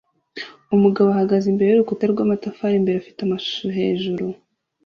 Umugabo ahagaze imbere yurukuta rwamatafari imbere afite amashusho hejuru